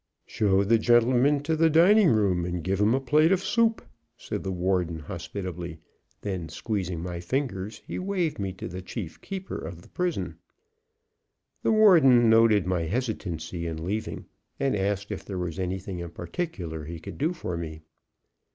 "Show the gentleman to the dining room, and give him a plate of soup," said the warden hospitably; then, squeezing my fingers, he waived me to the chief keeper of the prison. The warden noted my hesitancy in leaving, and asked if there was anything in particular he could do for me.